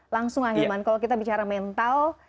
langsung ahilman kalau kita bicara mental